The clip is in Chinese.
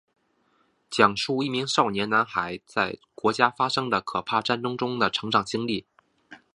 讲述一名少年男孩在国家发生的可怕战争中的成长经历。